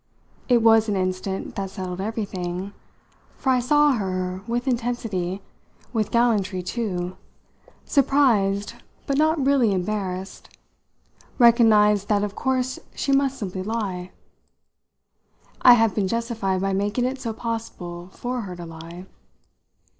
It was an instant that settled everything, for I saw her, with intensity, with gallantry too, surprised but not really embarrassed, recognise that of course she must simply lie. I had been justified by making it so possible for her to lie.